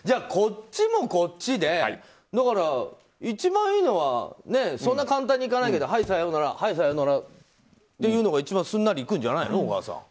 こっちもこっちで一番いいのはそんな簡単にいかないけどはい、さようならっていうのが一番すんなりいくんじゃないの。